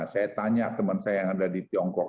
saya tanya teman saya yang ada di tiongkok